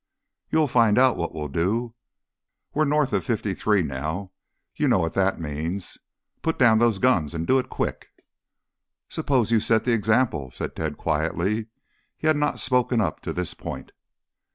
"You'll find out what we'll do. We're north of fifty three now. You know what that means. Put down those guns, and do it quick." "Suppose you set the example," said Tad quietly. He had not spoken up to this point.